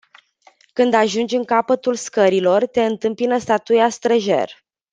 Când ajungi în capătul scărilor, te întâmpină statuia străjer.